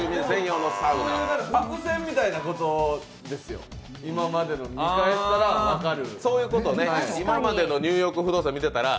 伏線みたいなものですよ、今までの見返したら分かる。